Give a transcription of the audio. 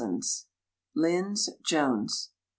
_) LYNDS JONES.